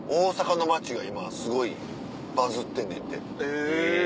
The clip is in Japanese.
へぇ。